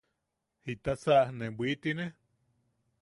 ¡Jitasa ne bwitine!